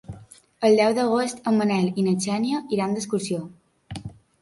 El deu d'agost en Manel i na Xènia iran d'excursió.